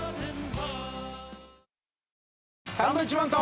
サンドウィッチマンと。